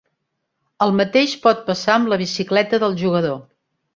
El mateix pot passar amb la bicicleta del jugador.